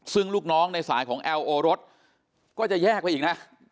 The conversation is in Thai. ซึ่งลูกน้องในสายของแอลโอรสก็จะแยกไปอีกนะ